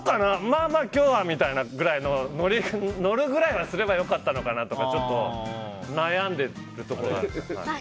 まあまあ、今日はぐらいで乗るぐらいはすればよかったのかなとかちょっと悩んでるところが。